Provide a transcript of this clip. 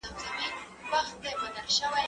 زه له سهاره سفر کوم!.